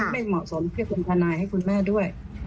ไม่เหมาะสมที่คุณพนายให้คุณแม่ด้วย